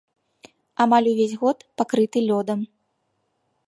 Амаль увесь год пакрыты лёдам.